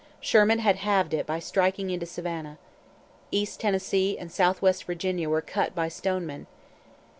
Sherman had halved it by striking into Savannah. East Tennessee and southwest Virginia were cut by Stoneman.